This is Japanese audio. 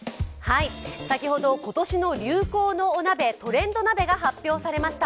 先ほど今年の流行のお鍋、トレンド鍋が発表されました。